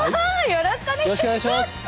よろしくお願いします。